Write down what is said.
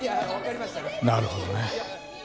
なるほどね。